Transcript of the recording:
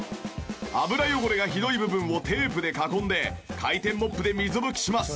油汚れがひどい部分をテープで囲んで回転モップで水拭きします。